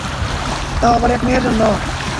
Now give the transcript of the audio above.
তাও আবার এক মেয়ের জন্য?